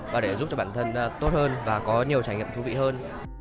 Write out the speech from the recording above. và để giúp cho bản thân tốt hơn và có nhiều trải nghiệm thú vị hơn